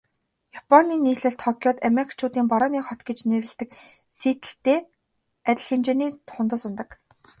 Японы нийслэл Токиод Америкчуудын Борооны хот гэж нэрлэдэг Сиэтллтэй адил хэмжээний тунадас унадаг.